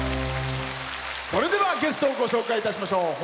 それではゲストをご紹介いたしましょう。